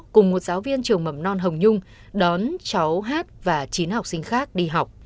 cùng một giáo viên trường mầm non hồng nhung đón cháu hát và chín học sinh khác đi học